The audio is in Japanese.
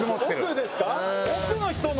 奥ですか？